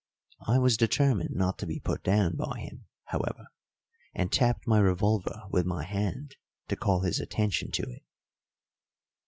I was determined not to be put down by him, however, and tapped my revolver with my hand to call his attention to it.